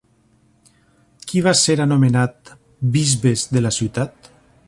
Qui va ser anomenat bisbes de la ciutat?